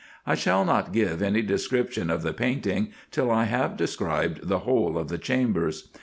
I shall not give any description of the painting, till I have described the whole of the chambers.